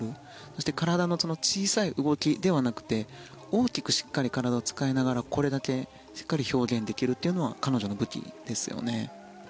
そして体の小さい動きではなくて大きくしっかり体を使いながらこれだけしっかり表現できるというのは彼女の武器ですよね。